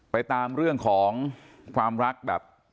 ไปตามเรื่องของความรักแบบ